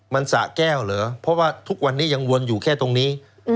มันสะแก้วเหรอเพราะว่าทุกวันนี้ยังวนอยู่แค่ตรงนี้